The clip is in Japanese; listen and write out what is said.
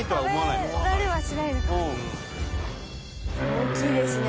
大きいですね。